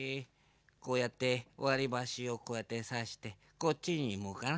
こうやってわりばしをこうやってさしてこっちにもかな。